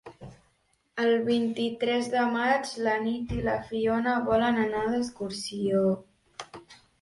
El vint-i-tres de maig na Nit i na Fiona volen anar d'excursió.